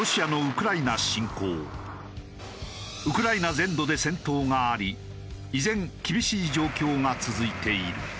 ウクライナ全土で戦闘があり依然厳しい状況が続いている。